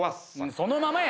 そのままや！